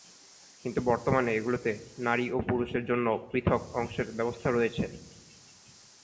কিন্তু বর্তমানে এগুলোতে নারী ও পুরুষের জন্য পৃথক অংশের ব্যবস্থা রয়েছে।